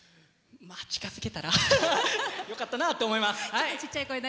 近づけたらよかったなと思います。